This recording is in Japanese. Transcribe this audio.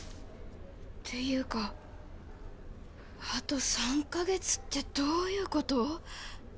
っていうかあと３カ月ってどういうこと？